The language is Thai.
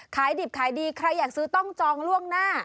ขายดิบขายดีใครอยากซื้อต้องจองล่วงหน้า